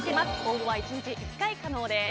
応募は１日１回可能です。